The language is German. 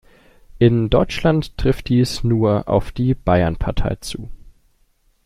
In Deutschland trifft dies nur auf die Bayernpartei zu.